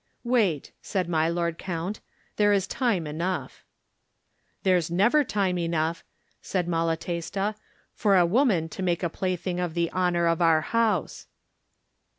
"Wait," said my lord count; "there is time enough, there is time enough." "There's never time enough," said Mala testa, "for a woman to make a plaything of the honor of our house."